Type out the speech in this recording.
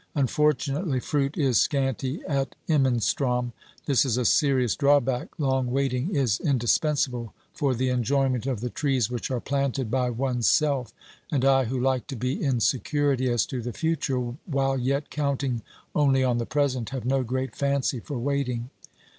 Unfortunately, fruit is scanty at Imenstrom. This is a serious drawback ; long waiting is indispensable for the enjoyment of the trees which are planted by one's self, and I, who like to be in security as to the future while yet counting only on the present, have no great fancy for waiting.